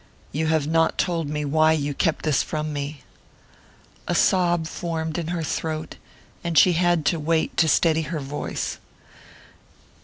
"You have not told me why you kept this from me." A sob formed in her throat, and she had to wait to steady her voice.